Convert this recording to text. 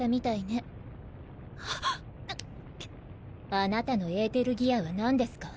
あなたのエーテルギアは何ですか？